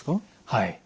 はい。